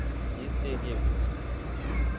人生ゲームをしたい